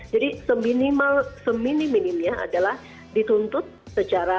jadi seminimal semini minimnya adalah dituntut secara